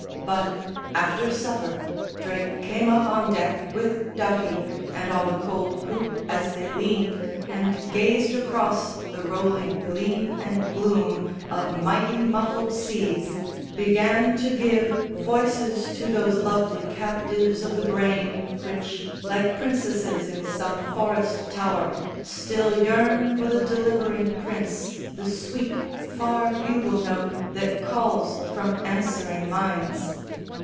But, after supper, Drake came up on deck With Doughty, and on the cold poop as they leaned And gazed across the rolling gleam and gloom Of mighty muffled seas, began to give Voices to those lovely captives of the brain Which, like princesses in some forest tower, Still yearn for the delivering prince, the sweet Far bugle note that calls from answering minds.